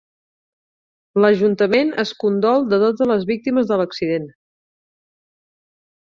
L'ajuntament es condol de totes les víctimes de l'accident.